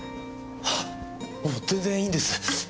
あっもう全然いいんです。